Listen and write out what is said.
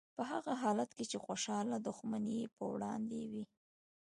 په هغه حالت کې چې خوشحاله دښمن یې په وړاندې وي.